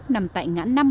nằm tại ngã năm hàng lược